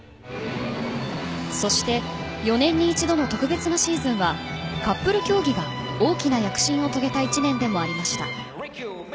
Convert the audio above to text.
そして４年に１度の特別なシーズンはカップル競技が大きな躍進を遂げた１年でもありました。